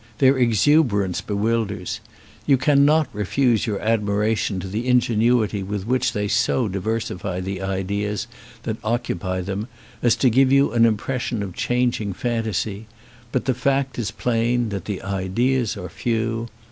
Their exuberance be wilders. You cannot refuse your admiration to the ingenuity with which they so diversify the ideas that occupy them as to give you an im pression of changing fantasy, but the fact is plain that the ideas are few.